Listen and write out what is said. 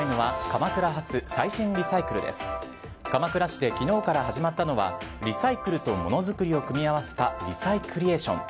鎌倉市で昨日から始まったのはリサイクルとものづくりを組み合わせたリサイクリエーション。